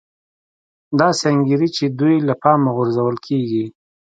داسې انګېري چې دوی له پامه غورځول کېږي